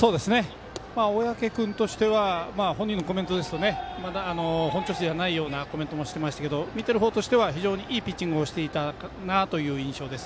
小宅君としては本人のコメントですと、まだ本調子ではないようなコメントをしてましたけど見てるほうとしてはいいピッチングをしていたなという印象です。